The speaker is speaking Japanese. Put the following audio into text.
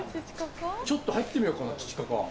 ちょっと入ってみよっかなチチカカ。